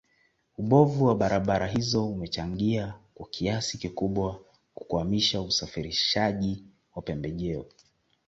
Ubovu wa barabara hizo umechangia kwa kiasi kikubwa kukwamisha usafirishaji wa pembejeo